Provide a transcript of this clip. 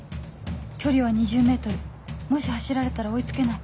距離は ２０ｍ もし走られたら追い付けない